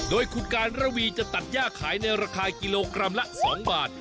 โดยคุณการระวีจะตัดย่าขายในราคากิโลกรัมละ๒บาท